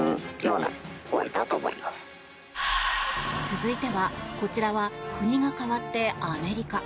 続いては、こちらは国が変わってアメリカ。